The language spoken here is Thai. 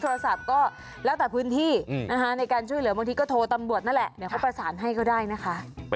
โทรศัพท์ก็แล้วแต่พื้นที่นะคะในการช่วยเหลือบางทีก็โทรตำรวจนั่นแหละเดี๋ยวเขาประสานให้ก็ได้นะคะ